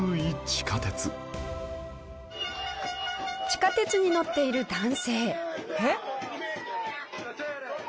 地下鉄に乗っている男性。